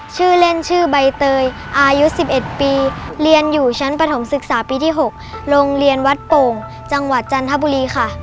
ชื่อเล่นชื่อใบเตยอายุ๑๑ปีเรียนอยู่ชั้นปฐมศึกษาปีที่๖โรงเรียนวัดโป่งจังหวัดจันทบุรีค่ะ